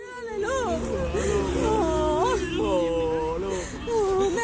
โอ้โหแม่เลี้ยงของแม่อย่างดี